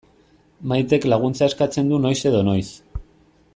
Maitek laguntza eskatzen du noiz edo noiz.